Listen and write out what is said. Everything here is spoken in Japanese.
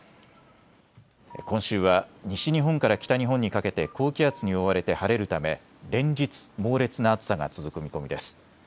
今週は西日本から北日本にかけて高気圧に覆われて晴れるため連日、猛烈な暑さが続く見込みです。